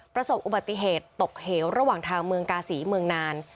ประสบอุบัติเหตุตกเหวระหว่างทางเมืองกาศีเมืองนาน